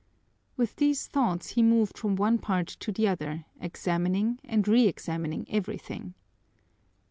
With these thoughts he moved from one part to the other, examining and reexamining everything.